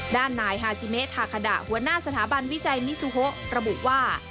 ด้านนายฮาจิเมะทาคาดะหัวหน้าสถาบันวิจัยมิซูโฮระบุว่า